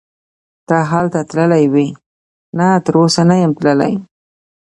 ته هلته تللی وې؟ نه تراوسه نه یم تللی.